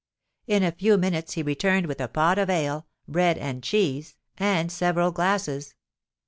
In a few minutes he returned with a pot of ale, bread and cheese, and several glasses.